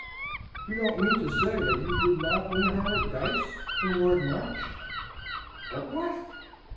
"You don't mean to say that you did not win her at dice, from Lord March?" "At what?"